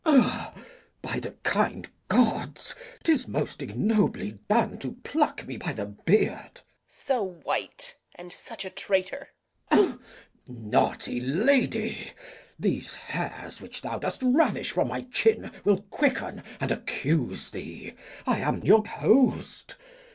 ] Glou. By the kind gods, 'tis most ignobly done To pluck me by the beard. Reg. So white, and such a traitor! Glou. Naughty lady, These hairs which thou dost ravish from my chin Will quicken, and accuse thee. I am your host.